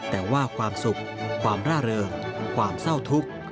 แต่ว่าความสุขความร่าเริงความเศร้าทุกข์